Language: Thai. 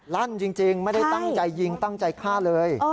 ลั่นจริงไม่ได้ตั้งใจยิงตั้งใจฆ่าเลย